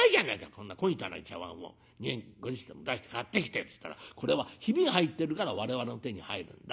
こんな小汚い茶わんを２円５０銭も出して買ってきて』っつったら『これはヒビが入ってるから我々の手に入るんだ。